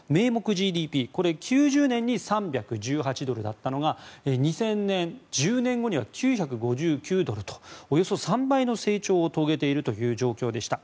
ＧＤＰ９０年に３１８ドルだったのが２０００年、１０年後には９５９ドルとおよそ３倍の成長を遂げているという状況でした。